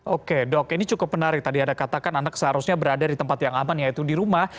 oke dok ini cukup menarik tadi ada katakan anak seharusnya berada di tempat yang aman yaitu di rumah